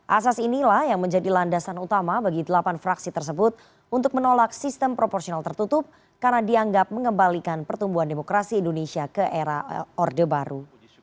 asas inilah yang menjadi landasan utama bagi delapan fraksi tersebut untuk menolak sistem proporsional tertutup karena dianggap mengembalikan pertumbuhan demokrasi indonesia ke era orde baru